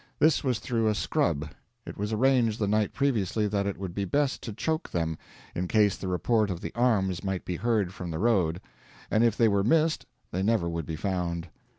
This was through a scrub. It was arranged the night previously that it would be best to choke them, in case the report of the arms might be heard from the road, and if they were missed they never would be found.